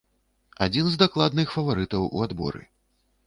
Адзін з дакладных фаварытаў у адборы.